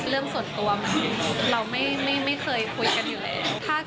เรื่องส่วนตัวเราไม่เคยคุยกันอยู่แล้ว